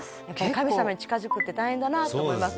「神様に近づくって大変だなって思います」